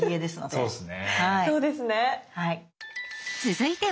そうですね。